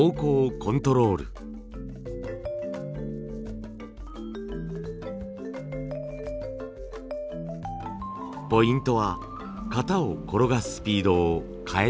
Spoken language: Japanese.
ポイントは型を転がすスピードを変えないこと。